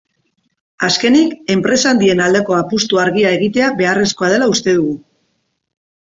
Azkenik, enpresa handien aldeko apustu argia egitea beharrezkoa dela uste dute.